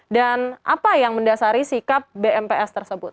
apa yang mendasari sikap bmps tersebut